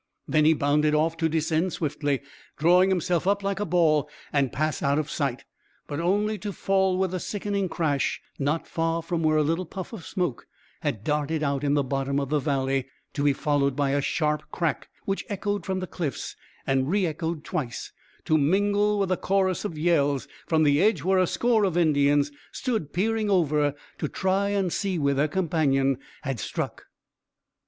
Then he bounded off to descend swiftly, drawing himself up like a ball, and pass out of sight, but only to fall with a sickening crash not far from where a little puff of smoke had darted out in the bottom of the valley, to be followed by a sharp crack which echoed from the cliffs and re echoed twice, to mingle with a chorus of yells from the edge where a score of Indians stood peering over to try and see where their companion had struck.